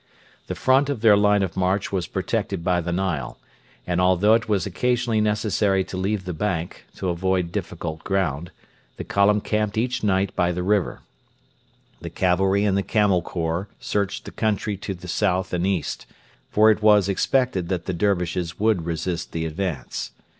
The right of their line of march was protected by the Nile, and although it was occasionally necessary to leave the bank, to avoid difficult ground, the column camped each night by the river. The cavalry and the Camel Corps searched the country to the south and east; for it was expected that the Dervishes would resist the advance.